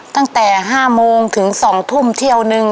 ตั้งแต่๕โมงถึง๒ทุ่มเที่ยวนึง